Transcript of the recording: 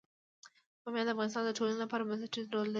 بامیان د افغانستان د ټولنې لپاره بنسټيز رول لري.